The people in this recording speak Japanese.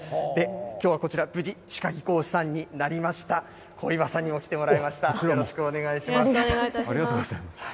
きょうはこちら、無事、歯科技工士さんになりました、小岩さんにも来てもらいました。